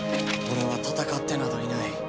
俺は戦ってなどいない。